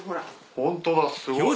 ホントだすごい。